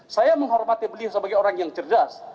saya menghormati beliau sebagai orang yang cerdas